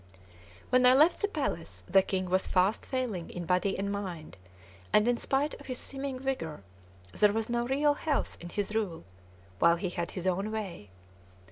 When I left the palace the king was fast failing in body and mind, and, in spite of his seeming vigor, there was no real health in his rule, while he had his own way.